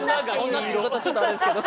女って言い方ちょっとあれですけど。